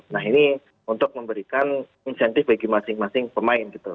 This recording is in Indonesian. nah ini untuk memberikan insentif bagi masing masing pemain gitu